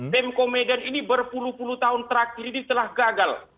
pemko medan ini berpuluh puluh tahun terakhir ini telah gagal